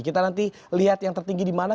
kita nanti lihat yang tertinggi di mana